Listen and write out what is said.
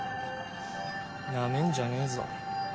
なめんじゃねえぞ。